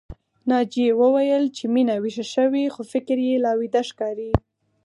ناجيې وويل چې مينه ويښه شوې خو فکر يې لا ويده ښکاري